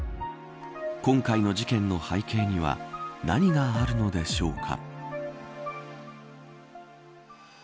今回の事件の背景には何があるのでしょうか。